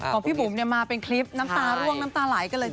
ของพี่บุ๋มมาเป็นคลิปน้ำตาร่วงน้ำตาไหลกันเลย